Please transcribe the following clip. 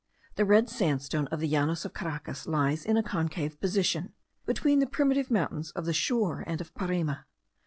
The red sandstone of the Llanos of Caracas lies in a concave position, between the primitive mountains of the shore and of Parime.